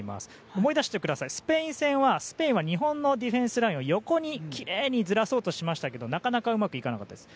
思い出してくださいスペイン戦は、スペインは日本のディフェンスラインをきれいに横にずらそうとしたけどなかなかうまくいかなかったんです。